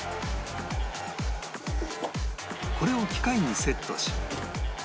これを機械にセットし